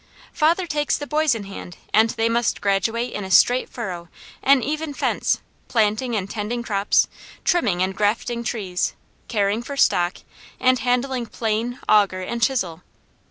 "Father takes the boys in hand and they must graduate in a straight furrow, an even fence, planting and tending crops, trimming and grafting trees, caring for stock, and handling plane, auger and chisel.